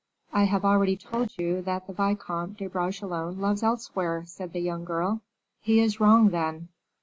"I have already told you that the Vicomte de Bragelonne loves elsewhere," said the young girl. "He is wrong, then."